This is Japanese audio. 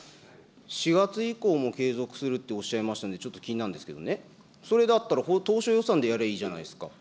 ４月以降も継続するっておっしゃいましたので、ちょっと気になるんですけどね、それだったら、当初予算でやればいいじゃないですか。